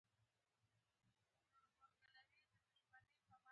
يو قاتل په معروف او زيړوک کې يو تن نيسي.